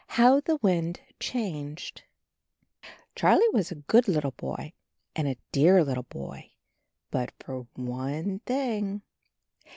HOW THE WIND CHANGED HARLIE was a good little boy and a dear little boy — but for one thing.